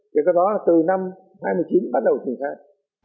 thì cái đó từ năm hai mươi chín bắt đầu thành thái